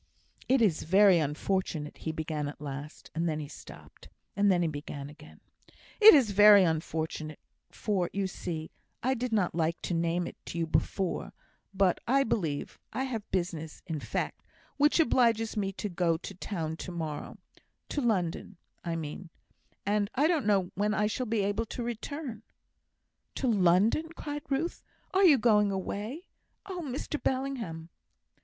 "It is very unfortunate," he began, at last; and then he stopped; then he began again: "It is very unfortunate; for, you see, I did not like to name it to you before, but, I believe I have business, in fact, which obliges me to go to town to morrow to London, I mean; and I don't know when I shall be able to return." "To London!" cried Ruth; "are you going away? Oh, Mr Bellingham!"